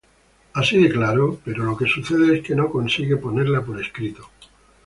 Así de claro, pero lo que sucede es que no consigue ponerla por escrito.